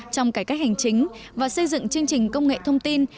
trong cải cách hành chính và xây dựng chương trình công nghệ thông tin